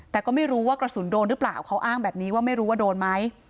แต่ก็ไม่รู้ว่ากระสุนโดนหรือเปล่าเขาอ้างแบบนี้ว่าไม่รู้ว่าโดนไหม